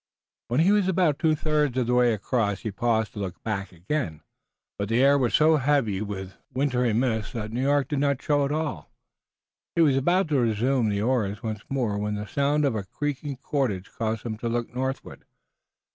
When he was about two thirds of the way across he paused to look back again, but the air was so heavy with wintry mists that New York did not show at all. He was about to resume the oars once more when the sound of creaking cordage caused him to look northward.